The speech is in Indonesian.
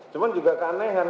cuman juga keanehan